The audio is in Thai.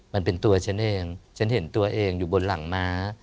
มันเป็นตัวฉันเองฉันเห็นตัวเองอยู่บนหลังม้า